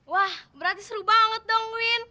wah berarti seru banget dong win